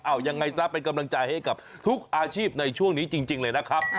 เอายังไงซะเป็นกำลังใจให้กับทุกอาชีพในช่วงนี้จริงเลยนะครับ